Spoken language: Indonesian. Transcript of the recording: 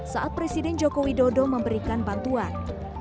saat presiden jokowi dodo memberikan bantuan